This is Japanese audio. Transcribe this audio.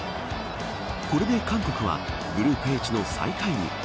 これで韓国はグループＨの最下位に。